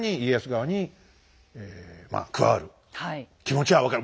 気持ちは分かる。